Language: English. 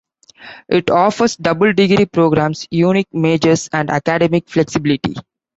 It offers double degree programs, unique majors, and academic flexibility.